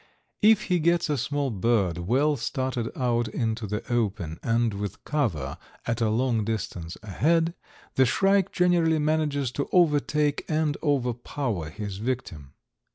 If he gets a small bird well started out into the open and with cover at a long distance ahead, the shrike generally manages to overtake and overpower his victim.